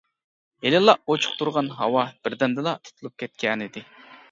ھېلىلا ئوچۇق تۇرغان ھاۋا بىردەمدىلا تۇتۇلۇپ كەتكەنىدى.